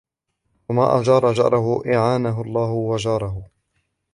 وَمَنْ أَجَارَ جَارَهُ أَعَانَهُ اللَّهُ وَجَارَهُ